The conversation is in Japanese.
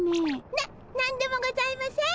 な何でもございません。